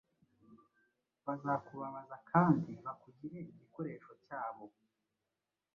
Bazakubabaza kandi bakugire igikoresho cyabo.